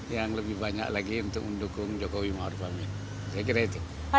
yang lebih banyak lagi untuk mendukung jokowi ma'ruf amin saya kira itu